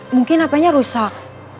mungkin hapenya rusak